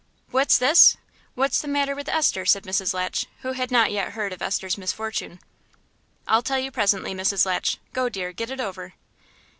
"What's this? What's the matter with Esther?" said Mrs. Latch, who had not yet heard of Esther's misfortune. "I'll tell you presently, Mrs. Latch. Go, dear, get it over."